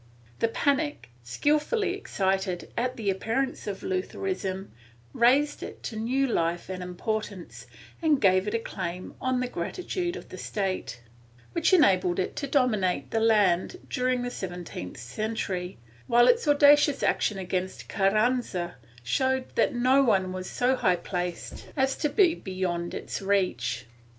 The panic, skilfully excited at the appearance of Lutheranism, raised it to new life and importance and gave it a claim on the gratitude of the State, which enabled it to dominate the land during the seventeenth century, while its audacious action against Carranza showed that no one was so high placed as to be beyond its reach.